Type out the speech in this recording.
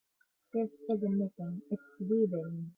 This isn't knitting, its weaving.